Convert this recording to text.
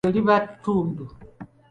Eryo liba ttundu.